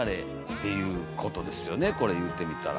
これ言うてみたら。